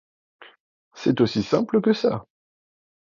C'est aussi simple que ça ?